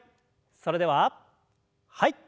それでははい。